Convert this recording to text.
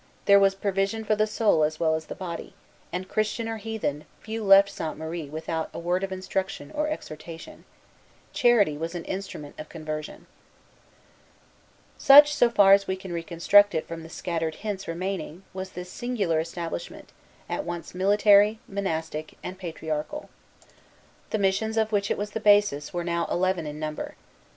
There was provision for the soul as well as the body; and, Christian or heathen, few left Sainte Marie without a word of instruction or exhortation. Charity was an instrument of conversion. Compare Ragueneau in Relation des Hurons, 1648, 48, and in his report to the General in 1649. Such, so far as we can reconstruct it from the scattered hints remaining, was this singular establishment, at once military, monastic, and patriarchal. The missions of which it was the basis were now eleven in number.